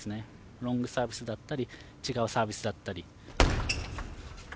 ロングサービスだったり違うサービスだったり。